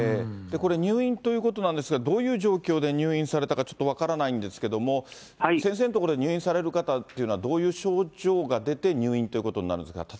これ、入院ということなんですが、どういう状況で入院されたかちょっと分からないんですけれども、先生のところに入院される方というのはどういう症状が出て、入院ということになるんですか。